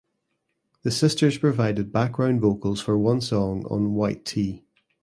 The sisters provided background vocals for one song on "White T".